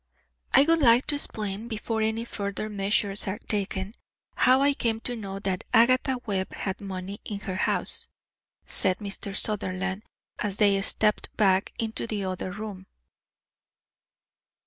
"I would like to explain before any further measures are taken, how I came to know that Agatha Webb had money in her house," said Mr. Sutherland, as they stepped back into the other room.